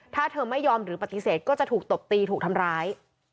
ถ้าเธอไม่ยอมหรือปฏิเสธก็จะถูกตบตีถูกทำร้าย